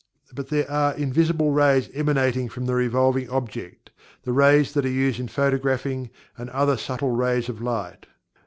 But there are invisible rays emanating from the revolving object, the rays that are used in photographing, and other subtle rays of light.